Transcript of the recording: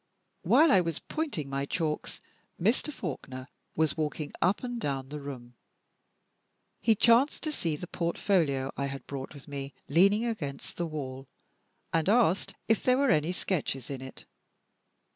While I was pointing my chalks Mr. Faulkner was walking up and down the room. He chanced to see the portfolio I had brought with me leaning against the wall, and asked if there were any sketches in it.